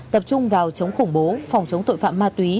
tập trung vào chống khủng bố phòng chống tội phạm ma túy